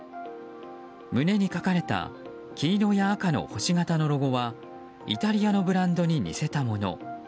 胸に書かれた黄色や赤の星形のロゴはイタリアのブランドに似せたもの。